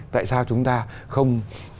tại sao chúng ta không